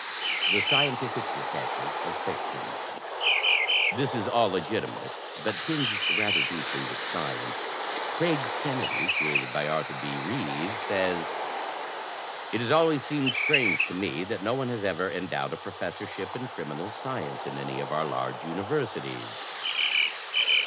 T/ie ScietUific Detective of Fiction This is all legitimate, but tinged rather deeply with science. Craig Kennedy (created by Arthur B. Reeve) says: " It has always seemed strange to me that no one has ever endowed a professorship in criminal science in any of our large imiversities."